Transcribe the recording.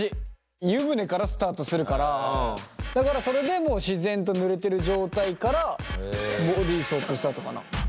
湯船からスタートするからだからそれでもう自然とぬれてる状態からボディーソープスタートかな。